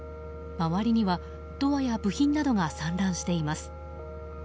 周りにはドアや部品などが散乱しています。